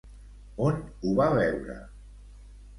On ho va veure?